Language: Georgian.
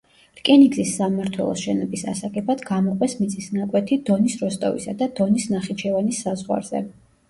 რკინიგზის სამმართველოს შენობის ასაგებად გამოყვეს მიწის ნაკვეთი დონის როსტოვისა და დონის ნახიჩევანის საზღვარზე.